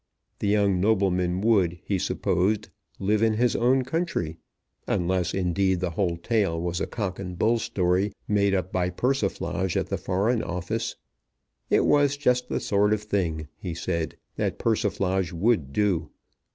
The young nobleman would, he supposed, live in his own country; unless, indeed, the whole tale was a cock and bull story made up by Persiflage at the Foreign Office. It was just the sort of thing, he said, that Persiflage would do.